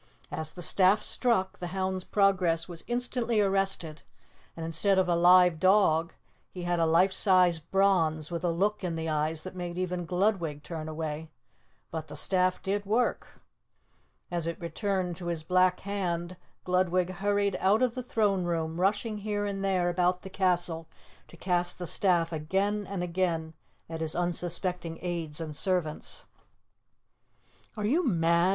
As the staff struck, the hound's progress was instantly arrested and instead of a live dog, he had a life sized bronze with a look in the eyes that made even Gludwig turn away. But the staff did work! As it returned to his black hand, Gludwig hurried out of the throne room, rushing here and there about the castle to cast the staff again and again at his unsuspecting aids and servants. "Are you mad?"